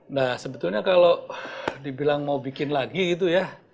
nah sebetulnya kalau dibilang mau bikin lagi gitu ya